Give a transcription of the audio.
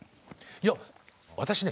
いや私ね